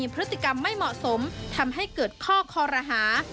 พฤติกรรมไม่เหมาะสมทำให้เกิดข้อคอรหา